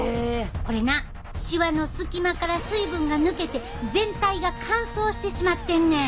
これなしわの隙間から水分が抜けて全体が乾燥してしまってんねん。